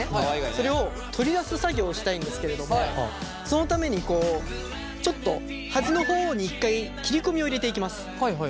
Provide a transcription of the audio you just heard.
これを取り出す作業をしたいんですけれどもそのためにちょっと端の方に一回切り込みを入れていきます。